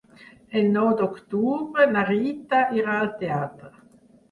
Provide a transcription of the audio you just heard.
El nou d'octubre na Rita irà al teatre.